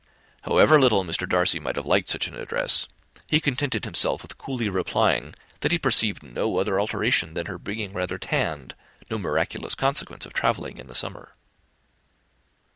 However little Mr. Darcy might have liked such an address, he contented himself with coolly replying, that he perceived no other alteration than her being rather tanned, no miraculous consequence of travelling in the summer.